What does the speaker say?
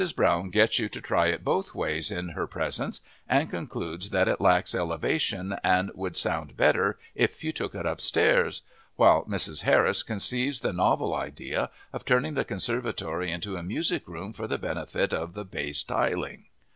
Brown gets you to try it both ways in her presence and concludes that it lacks elevation and would sound better if you took it upstairs; while Mrs. Harris conceives the novel idea of turning the conservatory into a music room for the benefit of the base tiling.